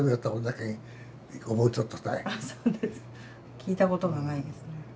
聞いたことがないですね。